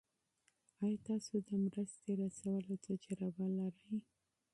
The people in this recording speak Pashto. آیا تاسو د مرستې رسولو تجربه لرئ؟